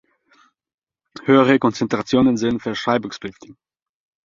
Höhere Konzentrationen sind verschreibungspflichtig.